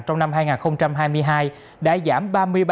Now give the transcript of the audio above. trong năm hai nghìn hai mươi hai đã giảm ba mươi ba